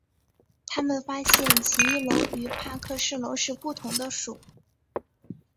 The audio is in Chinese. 他们发现奇异龙与帕克氏龙是不同的属。